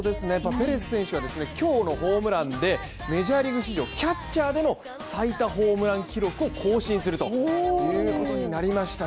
ペレス選手は今日のホームランで、メジャーリーグ史上キャッチャーでの最多ホームラン記録を更新することになりました。